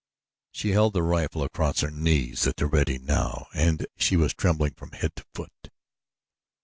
She held the rifle across her knees at the ready now and she was trembling from head to foot.